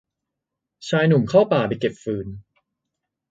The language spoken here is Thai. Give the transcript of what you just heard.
ชายหนุ่มเข้าป่าไปเก็บฟืน